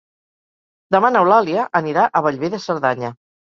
Demà n'Eulàlia anirà a Bellver de Cerdanya.